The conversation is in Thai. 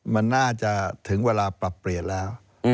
มันน่าจะถึงเวลาปรับเปลี่ยนแล้ว